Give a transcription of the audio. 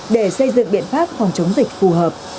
để xây dựng biện pháp phòng chống dịch phù hợp